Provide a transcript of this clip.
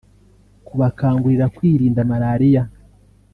kubakangurira kwirinda Malaria